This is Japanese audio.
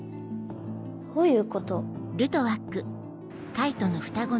どういうこと？